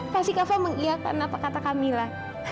pasti kava mengiakan apa kata kamila